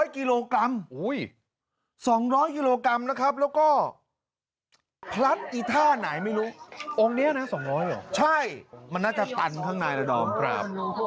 ๒๐๐กิโลกรัมแล้วก็พลัดอีท่าไหนไม่รู้ใช่มันน่าจะตันข้างในละดอมครับ